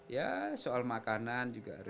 ya soal makanan juga harus